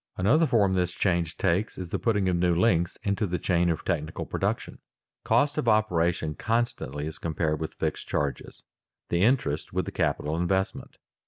Another form this change takes is the putting of new links into the chain of technical production. Cost of operation constantly is compared with fixed charges, the interest with the capital investment.